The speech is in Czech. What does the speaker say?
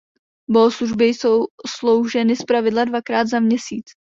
Bohoslužby jsou slouženy zpravidla dvakrát za měsíc.